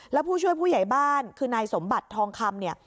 แล้วผู้ช่วยผู้ใหญ่บ้านคือนายสมบัติทองคำเนี่ย